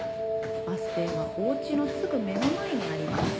「バス停はおうちのすぐ目の前にあります」